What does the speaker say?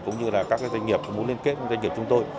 cũng như là các doanh nghiệp muốn liên kết với doanh nghiệp chúng tôi